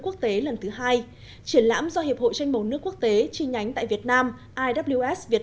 quốc tế lần thứ hai triển lãm do hiệp hội tranh màu nước quốc tế chi nhánh tại việt nam iws việt